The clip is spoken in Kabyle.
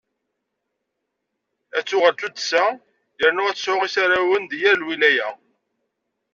Ad tuɣal d tuddsa, yernu ad tesɛu isarrawen di yal lwilaya.